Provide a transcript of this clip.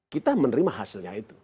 kita menerima hasilnya itu